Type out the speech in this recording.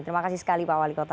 terima kasih sekali pak wali kota